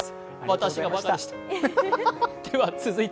私がバカでした。